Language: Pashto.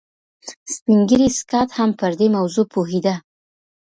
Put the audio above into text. سپین ږیری سکاټ هم پر دې موضوع پوهېده